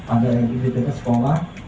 ada ekipitas sekolah